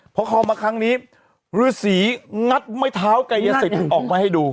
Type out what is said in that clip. พอคอลมาครั้งนี้ฤษีงัดไม้เท้าไก่อย่าเสร็จออกมาให้ดู